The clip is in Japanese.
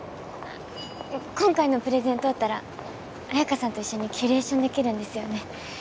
今回のプレゼン通ったら綾香さんと一緒にキュレーションできるんですよね